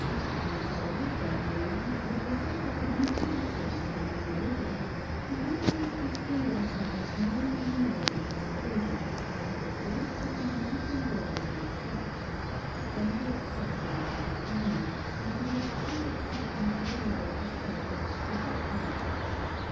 And so gradually, in the pursuit of the new culture and the new religion, the emperors withdrew themselves more and more into seclusion, and the court became a little world in itself, a centre of culture and refinement into which few excitements of war or politics ever came.